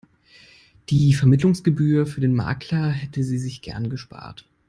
Die Vermittlungsgebühr für den Makler hätte sie sich gerne gespart.